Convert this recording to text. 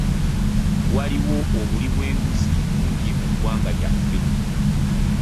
Waliwo obuli bw'enguzi bungi mu ggwanga lyaffe.